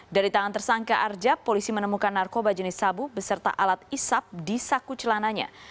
dari tangan tersangka arjab polisi menemukan narkoba jenis sabu beserta alat isap di saku celananya